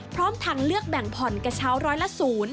พร้อมทางเลือกแบ่งผ่อนกระเช้าร้อยละศูนย์